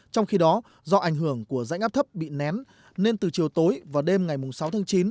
trong khi đó do ảnh hưởng của rãnh áp thấp bị nén nên từ chiều tối và đêm ngày sáu tháng chín